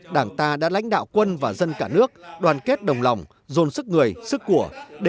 đảng ta đã lãnh đạo quân và dân cả nước đoàn kết đồng lòng dồn sức người sức của